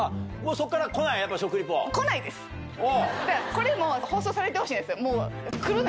これも放送されてほしいんですよ。